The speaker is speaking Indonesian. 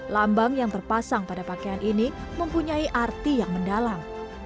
lambang yang terpasang pada pakaian ini mempunyai arti yang mendalam